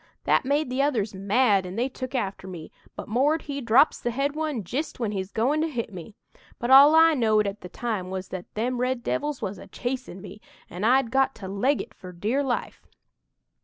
That made the others mad an' they took after me, but 'Mord' he drops the head one jist when he's goin' to hit me. But all I knowed at the time was that them red devils was a chasin' me, and I'd got to 'leg it' for dear life!